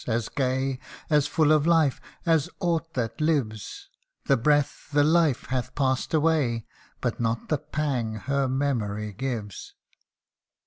as gay, As full of life, as aught that lives ; The breath the life hath passed away, But not the pang her memory gives.